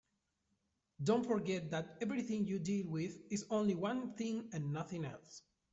Don't forget that everything you deal with is only one thing and nothing else.